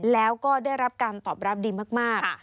แล้วก็ได้รับการตอบรับดีมาก